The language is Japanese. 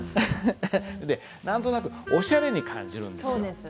で何となくおしゃれに感じるんですよ。